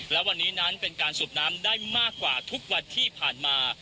และวันนี้นั้นเป็นการสูบน้ำได้มากกว่าทุกวันที่ผ่านมา